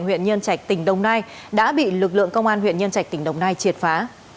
huyện nhân trạch tỉnh đồng nai đã bị lực lượng công an huyện nhân trạch tỉnh đồng nai triệt phá